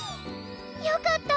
よかった！